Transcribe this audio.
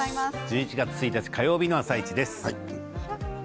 １１月１日火曜日の「あさイチ」です。